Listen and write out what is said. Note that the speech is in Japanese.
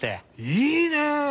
いいね！